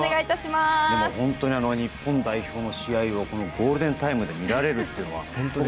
本当に日本代表の試合をこのゴールデンタイムで見られるというのはね。